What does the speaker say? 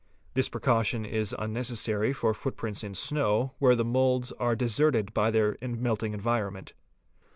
This precaution is unnecessary for footprints in snow where the 4 moulds are deserted by their melting environment.